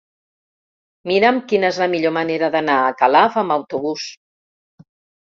Mira'm quina és la millor manera d'anar a Calaf amb autobús.